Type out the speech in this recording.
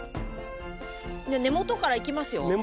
根元からいきますよ。